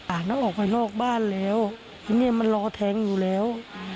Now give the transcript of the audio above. ต้องออกไปนอกบ้านแล้วทีนี้มันรอแทงอยู่แล้ว